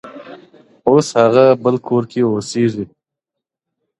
اوس هغه بل كور كي اوسيږي كنه.